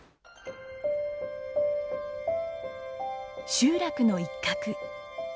集落の一角。